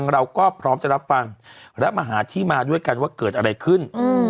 เราก็พร้อมจะรับฟังและมาหาที่มาด้วยกันว่าเกิดอะไรขึ้น